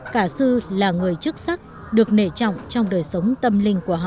cả sư là người chức sắc được nể trọng trong đời sống tâm linh của họ